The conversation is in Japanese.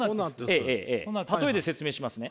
例えで説明しますね。